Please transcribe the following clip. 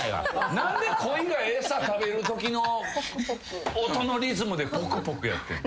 何でコイが餌食べるときの音のリズムでポクポクやってんの。